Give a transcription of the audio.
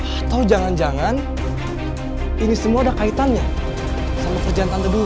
atau jangan jangan ini semua ada kaitannya sama kerjaan tante